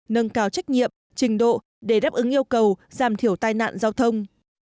nâng cao trách nhiệm trình độ để đáp ứng yêu cầu giảm thiểu tai nạn giao thông